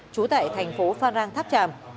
trú tại thành phố phan rang tháp tràm